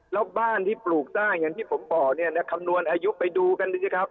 แล้วบ้านที่ปลูกต้าที่ผมบอกในคำนวณอายุไปดูกันดีจริงครับ